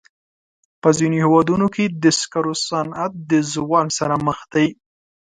په ځینو هېوادونو کې د سکرو صنعت د زوال سره مخ دی.